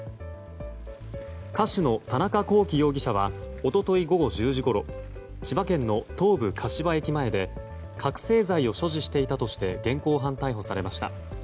歌手の田中聖容疑者は一昨日午後１０時ごろ千葉県の東武・柏駅前で覚醒剤を所持していたとして現行犯逮捕されました。